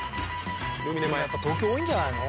やっぱ東京多いんじゃないの？